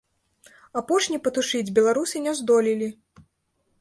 Апошні патушыць беларусы не здолелі.